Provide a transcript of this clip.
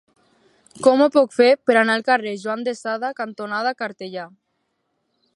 Com ho puc fer per anar al carrer Juan de Sada cantonada Cartellà?